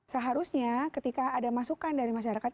seharusnya ketika ada masukan dari masyarakat